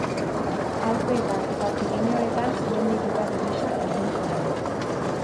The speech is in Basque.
Alpeetan eta Pirinioetan mendi-gidari gisa jardun zuen.